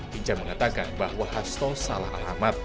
hinca mengatakan bahwa hasto salah alamat